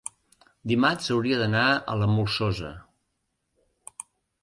dimarts hauria d'anar a la Molsosa.